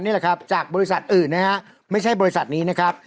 นี่แหละครับจากบริษัทอื่นนะฮะไม่ใช่บริษัทนี้นะครับ